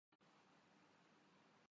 پاکستان تحریک انصاف کے رہنما عمران خان